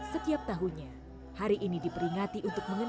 setiap tahunnya hari ini diperingati untuk mengenalkan